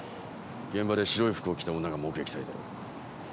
現場で白い服を着た女が目撃されている。